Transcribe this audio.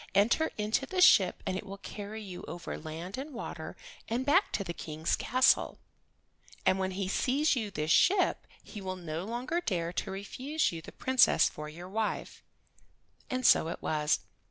Enter into the ship and it will carry you over land and water, and back to the King's castle. And when he sees this ship he will no longer dare to refuse you the Princess for your wife." And so it was.